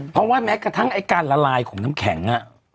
เพราะว่าแม้กระทั่งไอ้การละลายของน้ำแข็ง